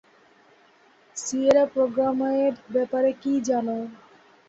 Sierra প্রোগ্রামের ব্যাপারে কী জানো?